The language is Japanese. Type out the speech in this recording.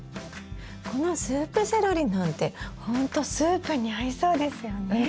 このスープセロリなんてほんとスープに合いそうですよね。